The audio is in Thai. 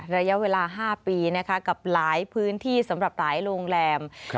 ระยะเวลา๕ปีนะคะกับหลายพื้นที่สำหรับหลายโรงแรม